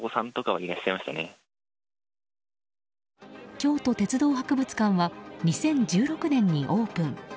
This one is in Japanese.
京都鉄道博物館は２０１６年にオープン。